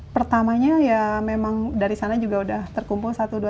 pertamanya ya memang dari sana juga sudah terkumpul satu dua